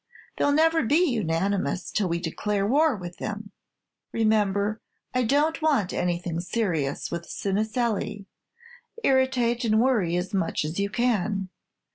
They 'll never be unanimous till we declare war with them! Remember, I don't want anything serious with Cineselli. Irritate and worry as much as you can.